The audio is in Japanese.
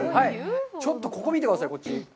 ちょっと、ここ見てください、こっち！